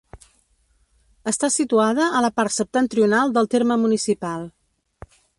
Està situada a la part septentrional del terme municipal.